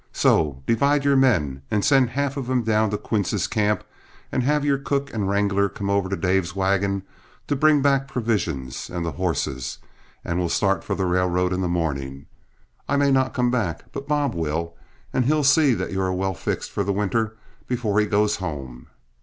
So divide your men and send half of them down to Quince's camp, and have your cook and wrangler come over to Dave's wagon to bring back provision and the horses, as we'll start for the railroad in the morning. I may not come back, but Bob will, and he'll see that you are well fixed for the winter before he goes home.